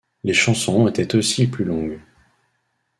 Les chansons étaient aussi plus longues.